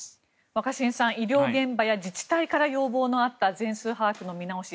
若新さん医療現場や自治体から要望のあった全数把握の見直し